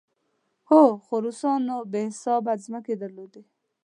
هو، خو روسانو بې حسابه ځمکې درلودې.